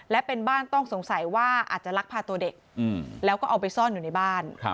และเป็นบ้านต้องสงสัยว่าอาจจะลักพาตัวเด็กแล้วก็เอาไปซ่อนอยู่ในบ้าน